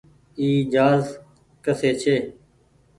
اي جهآز ڪسي ڇي۔